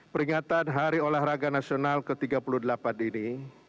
peringatan hari olahraga nasional ke tiga puluh delapan ini